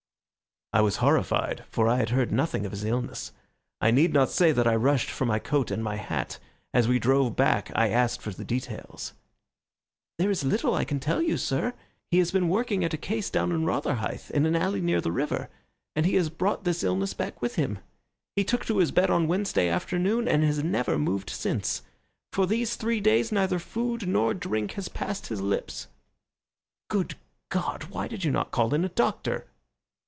I was horrified for I had heard nothing of his illness. I need not say that I rushed for my coat and my hat. As we drove back I asked for the details. "There is little I can tell you, sir. He has been working at a case down at Rotherhithe, in an alley near the river, and he has brought this illness back with him. He took to his bed on Wednesday afternoon and has never moved since. For these three days neither food nor drink has passed his lips." "Good God! Why did you not call in a doctor?"